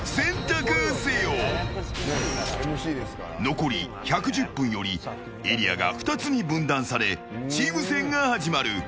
残り１１０分よりエリアが２つに分断されチーム戦が始まる。